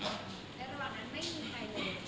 แล้วระหว่างนั้นไม่มีใครเลย